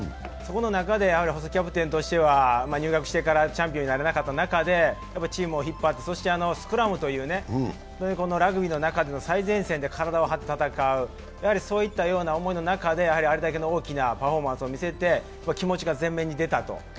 その中で細木キャプテンとしては入学してからチャンピオンになれなかった中でチームを引っ張って、スクラムというラグビーの中での最前線で体を張って戦う、そういう中であれだけ大きなパフォーマンスを見せて気持ちが前面に出たと。